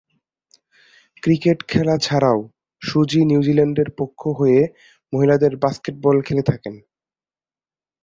Cricket খেলা ছাড়াও Suzie নিউজিল্যান্ডের পক্ষ হয়ে মহিলাদের বাস্কেটবল খেলে থাকেন।